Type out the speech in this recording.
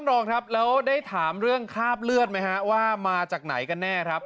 รองครับแล้วได้ถามเรื่องคราบเลือดไหมฮะว่ามาจากไหนกันแน่ครับ